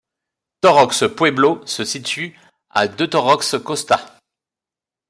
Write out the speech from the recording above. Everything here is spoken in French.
Torrox Pueblo se situe à de Torrox Costa.